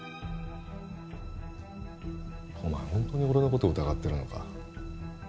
お前ホントに俺のこと疑ってるのか？